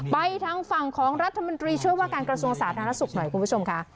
ไปทางฝั่งของรัฐมนตรีช่วยว่าการกระทรวงสาธารณสุขหน่อยคุณผู้ชมค่ะ